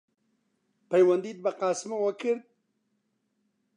پەیوەندیت بە قاسمەوە کرد؟